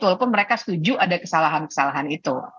walaupun mereka setuju ada kesalahan kesalahan itu